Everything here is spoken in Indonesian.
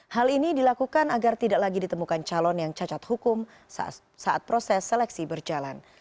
hal ini dilakukan agar tidak lagi ditemukan calon yang cacat hukum saat proses seleksi berjalan